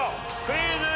クイズ。